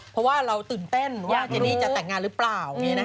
เพราะว่าเราตื่นเต้นว่าเจนี่จะแต่งงานหรือเปล่า